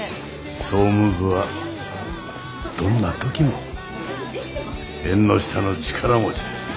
総務部はどんな時も縁の下の力持ちですね。